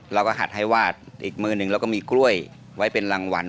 หัดให้วาดอีกมือหนึ่งเราก็มีกล้วยไว้เป็นรางวัล